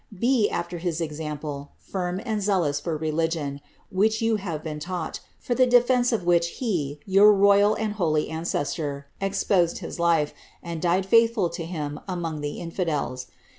Be, after his example, firm and zealous for religion, which yoQ have been taught, for the defence of which he, your royal and holy ancestor. exposed his life, and died fiuthful to him among the infidels.